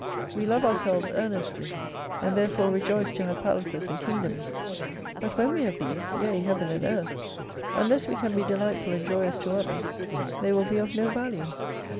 We love ourselves earnestly, and therefore rejoice to have palaces and kingdoms. But when we have these, yea Heaven and Earth, unless we can be delightful and joyous to others they will be of no value.